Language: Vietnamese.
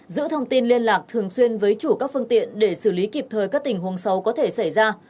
giữ thông tin liên lạc thường xuyên với chủ các phương tiện để xử lý kịp thời các tình huống xấu có thể xảy ra